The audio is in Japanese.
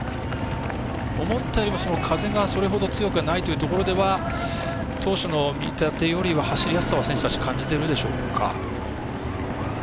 思ったよりも風がそれほど強くないというところでは当初の見立てよりは走りやすさは、選手たち感じてるでしょうか。